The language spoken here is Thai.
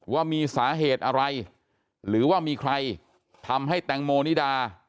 ว่ามีสาเหตุอะไรหรือว่ามีใครทำให้แตงโมนิดา